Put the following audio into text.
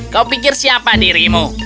kau pikir siapa dirimu